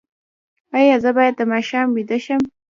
ایا زه باید د ماښام ویده شم؟